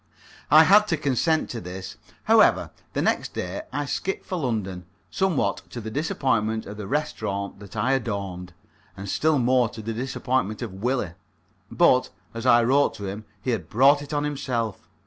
I had to consent to this. However, the next day I skipped for London, somewhat to the disappointment of the restaurant that I adorned, and still more to the disappointment of Willie. But, as I wrote to him, he had brought it on himself.